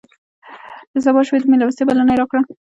د سبا شپې د مېلمستیا بلنه یې راکړه.